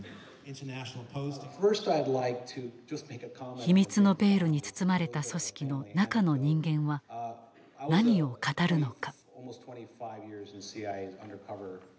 秘密のベールに包まれた組織の「中の人間」は何を語るのか。